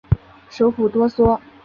首府多索。